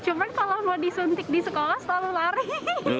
cuman kalau mau disuntik di sekolah selalu lari